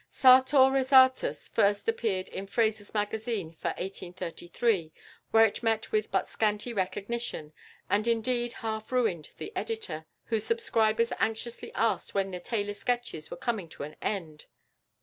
"Sartor Resartus" first appeared in Fraser's Magazine for 1833, where it met with but scanty recognition, and, indeed, half ruined the editor, whose subscribers anxiously asked when the "tailor sketches" were coming to an end.